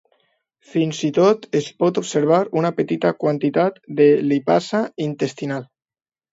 Fins i tot es pot observar una petita quantitat de lipasa intestinal.